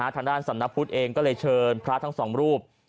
ทางด้านสำนักพุทธเองก็เลยเชิญพระทั้งสองรูป